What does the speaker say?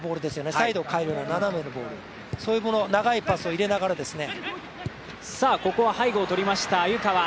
サイドを変えるような斜めのボールそういう長いパスを入れながらですね。